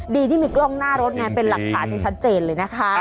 ดีที่มีกล้องหน้ารถไงเป็นหลักฐานที่ชัดเจนเลยนะคะ